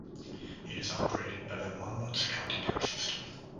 It is operated by the Monmouth County Park System.